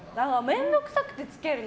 面倒くさくて、つけるの。